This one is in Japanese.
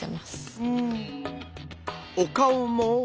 お顔も。